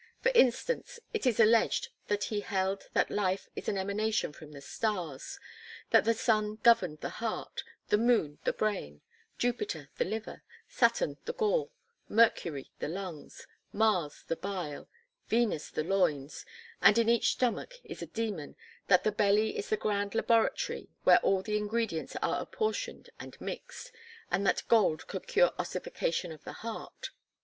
For instance it is alleged that he held that life is an emanation from the stars; that the sun governed the heart, the moon the brain, Jupiter the liver, Saturn the gall, Mercury the lungs, Mars the bile, Venus the loins; that in each stomach is a demon, that the belly is the grand laboratory where all the ingredients are apportioned and mixed; and that gold could cure ossification of the heart.